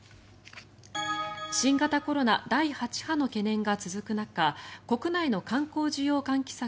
新型コロナ第８波の懸念が続く中国内の観光需要喚起策